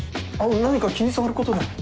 何か気に障ることでも。